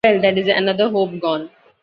Well, that is another hope gone.